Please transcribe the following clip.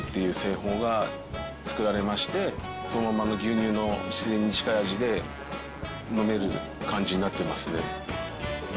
そのままの牛乳の自然に近い味で飲める感じになっていますね。